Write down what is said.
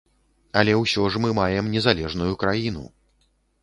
Але ўсё ж мы маем незалежную краіну.